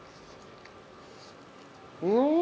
うん！